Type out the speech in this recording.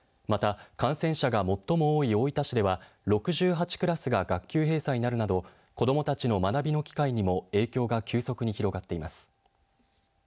また、感染者が最も多い大分市では、６８クラスが学級閉鎖になるなど子どもたちの学びの機会にも影響が急速に広がっています。